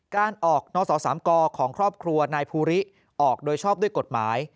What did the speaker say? การออกนศสามกของครอบครัวนายภูริออกโดยชอบด้วยกฎหมาย